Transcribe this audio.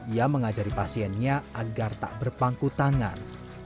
ia mengajari pasiennya agar tak berpangku tangan